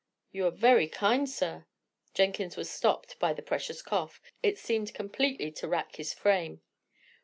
"You are very kind, sir " Jenkins was stopped by the "precious cough." It seemed completely to rack his frame.